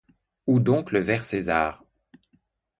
Où donc le ver César?